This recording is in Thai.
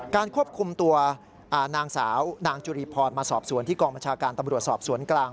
ควบคุมตัวนางสาวนางจุรีพรมาสอบสวนที่กองบัญชาการตำรวจสอบสวนกลาง